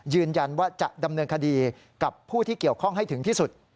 ยืนยันว่าจะดำเนินคดีกับผู้ที่เกี่ยวข้องให้ถึงที่สุด